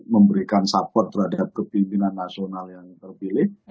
memberikan support terhadap kepimpinan nasional yang terpilih